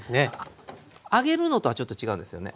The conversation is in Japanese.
揚げるのとはちょっと違うんですよね。